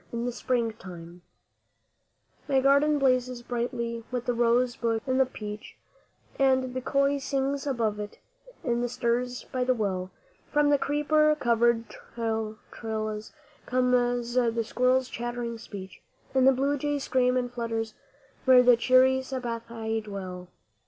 IN SPRING TIME My garden blazes brightly with the rose bush and the peach, And the köil sings above it, in the siris by the well, From the creeper covered trellis comes the squirrel's chattering speech, And the blue jay screams and flutters where the cheery satbhai dwell.